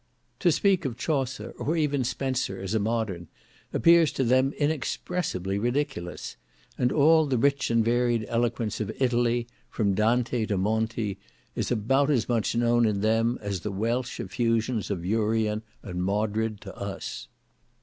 To speak of Chaucer, or even Spenser, as a modern, appears to them inexpressibly ridiculous; and all the rich and varied eloquence of Italy, from Dante to Monti, is about as much known to them, as the Welsh effusions of Urien and Modred, to us.